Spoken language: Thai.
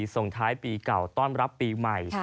ส่งท้ายปีเก่าต้อนรับปีใหม่